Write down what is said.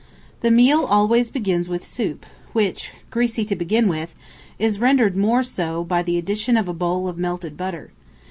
The meal always begins with soup, which, greasy to begin with, is rendered more so by the addition of a bowl of melted butter.